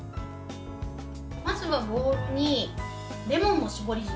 まずはボウルにレモンの搾り汁。